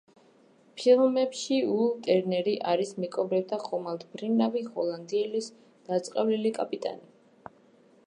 ფილმებში უილ ტერნერი არის მეკობრეთა ხომალდ „მფრინავი ჰოლანდიელის“ დაწყევლილი კაპიტანი.